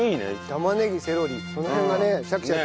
玉ねぎセロリその辺がねシャキシャキ。